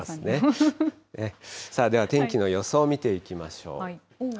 では、天気の予想を見ていきましょう。